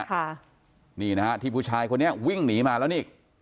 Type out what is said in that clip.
ค่ะนี่นะฮะที่ผู้ชายคนนี้วิ่งหนีมาแล้วนี่